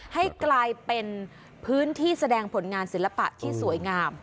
ให้กลายเป็นพื้นที่แสดงผลงานศิลปะที่สวยงาม